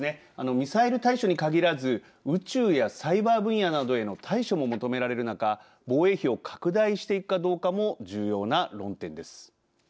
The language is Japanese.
ミサイル対処に限らず宇宙やサイバー分野などへの対処も求められる中防衛費を拡大していくかどうかも重要な論点です。